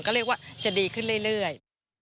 ก็เรียกว่าจะดีขึ้นเรื่อย